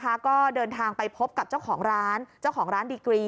ก็เดินทางไปพบกับเจ้าของร้านเจ้าของร้านดีกรี